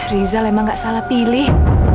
rizal emang gak salah pilih